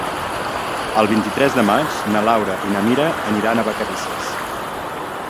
El vint-i-tres de maig na Laura i na Mira aniran a Vacarisses.